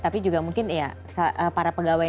tapi juga mungkin ya para pegawai